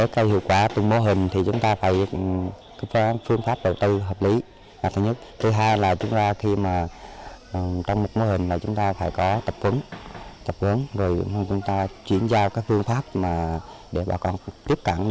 các mô hình giảm nghèo đã thay đổi diện mạo cơ bản